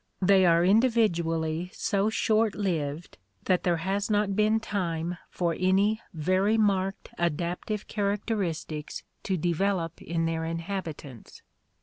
They are individually so short lived that there has not been time for any very marked adaptive char acteristics to develop in their inhabitants.